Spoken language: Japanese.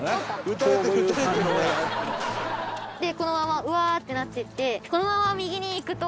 でこのままうわー！ってなっていって。